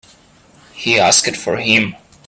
He asked for him.